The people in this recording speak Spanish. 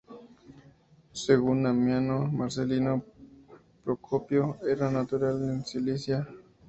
Según Amiano Marcelino, Procopio era natural de Cilicia.